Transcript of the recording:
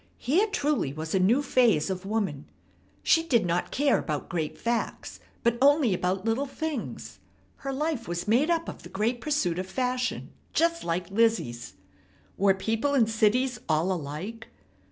Here truly was a new phase of woman. She did not care about great facts, but only about little things. Her life was made up of the great pursuit of fashion, just like Lizzie's. Were people in cities all alike?